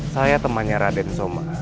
saya temannya raden soma